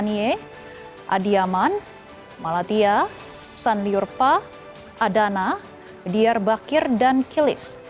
di yemen malatya sanlurpa adana diyarbakir dan kilis